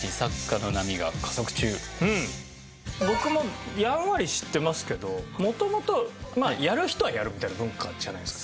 僕もやんわり知ってますけど元々やる人はやるみたいな文化じゃないですか。